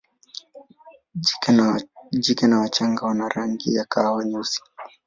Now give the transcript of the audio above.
Jike na wachanga wana rangi ya kahawa nyeusi.